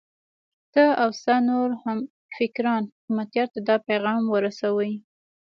ته او ستا نور همفکران حکمتیار ته دا پیغام ورسوئ.